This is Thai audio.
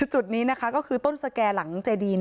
จุดนี้นะคะก็คือต้นสแก่หลังเจดี